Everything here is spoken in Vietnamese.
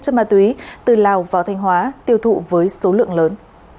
chất ma túy từ lào vào tp hcm tiêu thụ với số lượng lớn